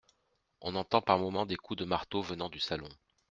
On entend par moment des coups de marteau venant du salon.